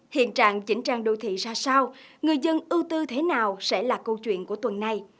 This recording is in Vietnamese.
hiện trạng chỉnh trang đô thị ra sao người dân ưu tư thế nào sẽ là câu chuyện của tuần này